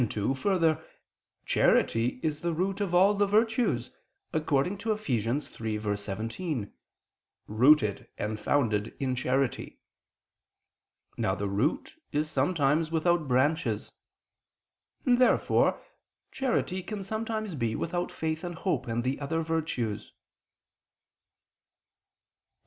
2: Further, charity is the root of all the virtues, according to Eph. 3:17: "Rooted and founded in charity." Now the root is sometimes without branches. Therefore charity can sometimes be without faith and hope, and the other virtues. Obj.